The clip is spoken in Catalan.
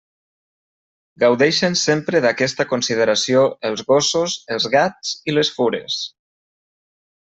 Gaudeixen sempre d'aquesta consideració els gossos, els gats i les fures.